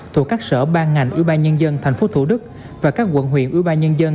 thuộc các sở ban ngành ủy ban nhân dân tp thủ đức và các quận huyện ủy ban nhân dân